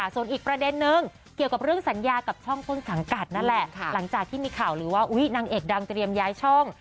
ส่วนอีกประเด็นนึงเกี่ยวกับเรื่องสัญญากับช่องต้นสังกัดนั่นแหละหลังจากที่มีข่าวหรือว่านางเอกดังเตรียมย้ายช่อง